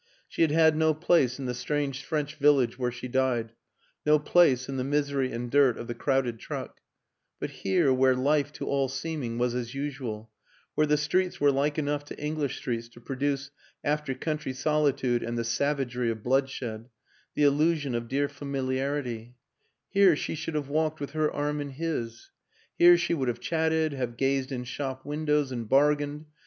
She had had no place in the strange French village where she died, no place in the misery and dirt of the crowded truck; but here where life, to all seeming, was as usual, where the streets were like enough to English streets to produce, after country solitude and the savagery of bloodshed, the illusion of dear familiarity: here she should have walked with her arm in his. Here she would have chatted, have gazed in shop windows and bargained